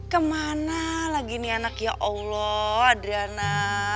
kemana lagi nih anak ya allah adriana